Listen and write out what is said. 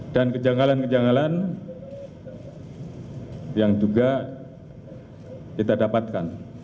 dan kejanggalan kejanggalan yang juga kita dapatkan